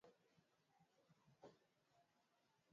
wakati mzuri wa kuona mlima Kilimanjaro kutokea mlima Meru